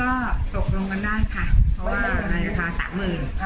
อ๋อวันนี้ก็ตกลงกันได้ค่ะเพราะว่ารายราคาสามหมื่น